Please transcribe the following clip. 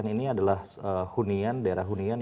ini adalah hunian daerah hunian